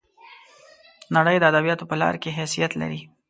د نړۍ د ادبیاتو په لار کې حیثیت لري.